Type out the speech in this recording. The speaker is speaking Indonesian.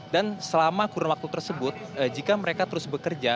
dan selama kurun waktu tersebut jika mereka terus bekerja